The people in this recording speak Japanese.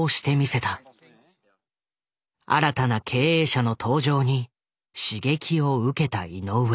新たな経営者の登場に刺激を受けた井上。